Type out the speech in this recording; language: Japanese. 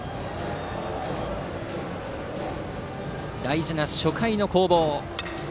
大事な初回の攻防。